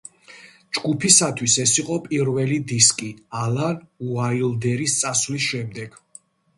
ჯგუფისათვის ეს იყო პირველი დისკი ალან უაილდერის წასვლის შემდეგ.